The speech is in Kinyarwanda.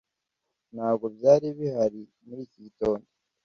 ntabwo byari bihari muri iki gitondo